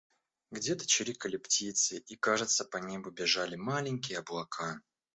Где-то чирикали птицы и, кажется, по небу бежали маленькие облака.